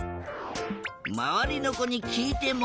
まわりのこにきいても。